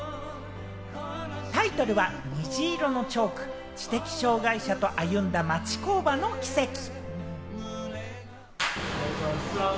タイトルは『虹色チョーク知的障がい者と歩んだ町工場のキセキ』。